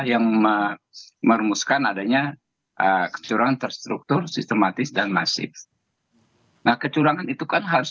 yang merumuskan adanya kecurangan terstruktur sistematis dan masif nah kecurangan itu kan harus